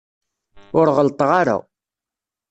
Ur ɣelṭeɣ ara.